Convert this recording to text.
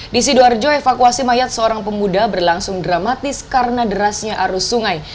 di sidoarjo evakuasi mayat seorang pemuda berlangsung dramatis karena derasnya arus sungai